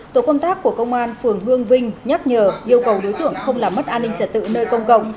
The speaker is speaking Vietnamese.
tổ công tác của công an phường hương vinh nhắc nhở yêu cầu đối tượng không làm mất an ninh trật tự nơi công cộng